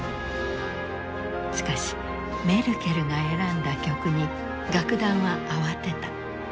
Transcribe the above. しかしメルケルが選んだ曲に楽団は慌てた。